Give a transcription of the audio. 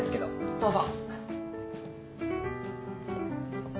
どうぞ！